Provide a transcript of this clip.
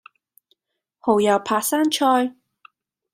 蠔油扒生菜